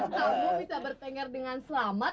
kamu bisa bertengger dengan selamat